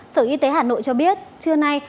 sở y tế hà nội cho biết trưa nay